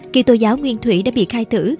kỹ tô giáo nguyên thủy đã bị khai thử